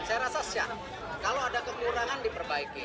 saya rasa siap kalau ada kekurangan diperbaiki